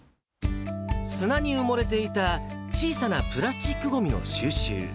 砂に埋もれていた小さなプラスチックごみの収集。